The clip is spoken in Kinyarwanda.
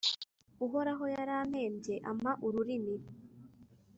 Uhoraho yarampembye, ampa ururimi,